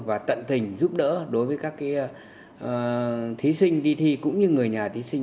và tận tình giúp đỡ đối với các thí sinh đi thi cũng như người nhà thí sinh